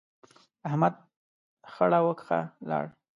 احمد خړه وکښه، ولاړ.